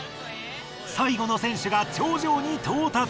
最後の選手が頂上に到達！